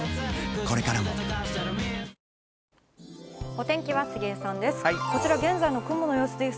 お天気は杉江さんです。